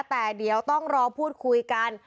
แต่เดี๋ยวต้องรอพูดคุยกัน